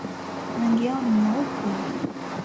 Rangi yao ni nyeupe.